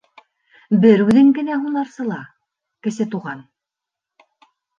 — Бер үҙең генә һунарсыла, Кесе Туған.